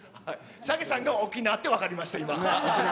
ＣＨＡＧＥさんが沖縄って分かりました、今。